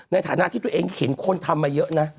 ในฐานะที่ตัวเองเห็นคนทำมาเยอะนะ